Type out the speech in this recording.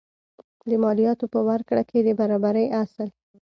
د مالیاتو په ورکړه کې د برابرۍ اصل.